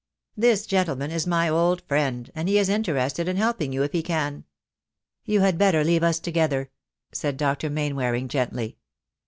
"This gentleman is my old friend, and he is in terested in helping you if he can." "You had better leave us together," said Dr. Main waring, gently.